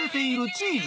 チーズ。